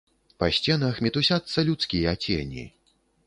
Па сценах мітусяцца людскія цені.